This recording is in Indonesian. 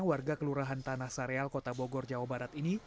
warga kelurahan tanah sareal kota bogor jawa barat ini